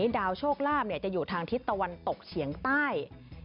ดาวโชคลาภจะอยู่ทางทิศตะวันตกเฉียงใต้